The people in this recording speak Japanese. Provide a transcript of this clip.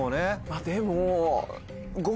でも。